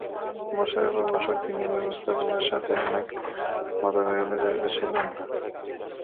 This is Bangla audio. বছরের পর বছর ধরে তিনি ব্যবস্থাপনার সাথে অনেক মতবিরোধে জড়িত ছিলেন।